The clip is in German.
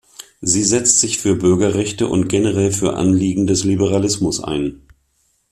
Sie setzt sich für Bürgerrechte und generell für Anliegen des Liberalismus ein.